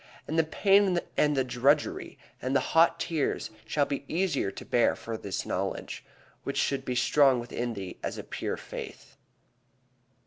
And the pain and the drudgery and the hot tears shall be the easier to bear for this knowledge, which should be strong within thee as a pure faith."